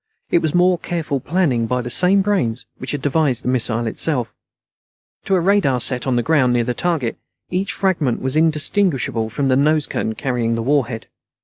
It was more careful planning by the same brains which had devised the missile itself. To a radar set on the ground near the target, each fragment was indistinguishable from the nose cone carrying the warhead.